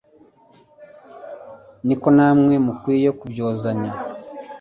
niko namwe mukwiye kubyozanya.